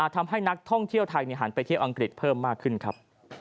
ทำให้นักท่องเที่ยวไทยหันไปเที่ยวอังกฤษเพิ่มมากขึ้นครับ